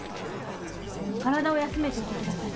体を休めていて下さい。